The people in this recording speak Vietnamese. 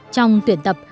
trong tuyển tập